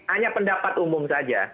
hanya pendapat umum saja